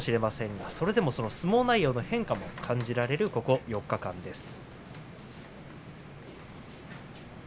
しかし相撲内容の変化も感じられます、この４日間です。